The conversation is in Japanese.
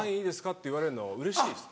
って言われるのうれしいですか？